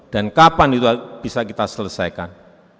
dan kapan itu bisa kita selesaikan